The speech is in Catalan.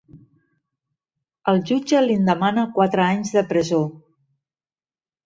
El jutge li'n demana quatre anys de presó.